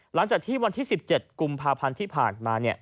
หลังจากที่วันที่๑๗กุมภาพันธ์ที่ผ่านมา